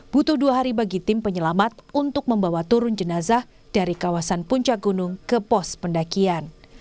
butuh dua hari bagi tim penyelamat untuk membawa turun jenazah dari kawasan puncak gunung ke pos pendakian